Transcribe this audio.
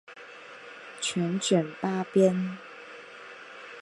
全卷八编。